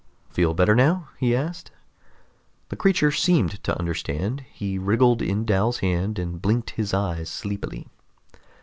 "Feel better now?" he asked. The creature seemed to understand; he wriggled in Dal's hand and blinked his eyes sleepily.